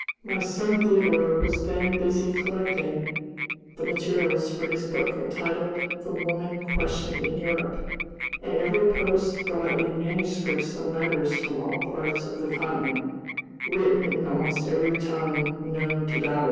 My son Theodore was then busy collecting the materials for his book entitled "The Woman Question in Europe," and every post brought in manuscripts and letters from all parts of the continent, written in almost every tongue known to Babel.